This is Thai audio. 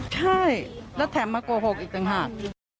ใช่แล้วแถมมาโกหกอีกต่างหาก